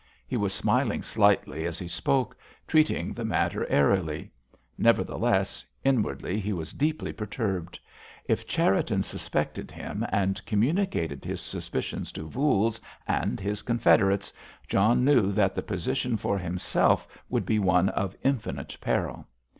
He was smiling slightly as he spoke, treating the matter airily. Nevertheless, inwardly he was deeply perturbed. If Cherriton suspected him, and communicated his suspicions to Voules and his confederates, John knew that the position for himself would be one of infinite peril.